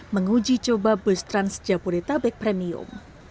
menguji coba bus trans jabodetabek premium